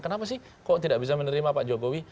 kenapa sih kok tidak bisa menerima pak jokowi